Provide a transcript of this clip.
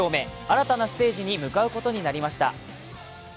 新たなステージに向かうことになりました。